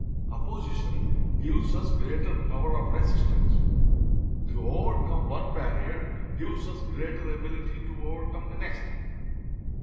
Opposition gives us greater power of resistance. To overcome one barrier gives us greater ability to overcome the next.